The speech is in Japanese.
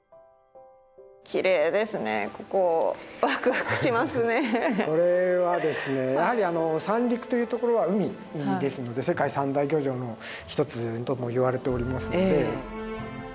これはですねやはりあの三陸という所は海ですので世界三大漁場の一つともいわれておりますので。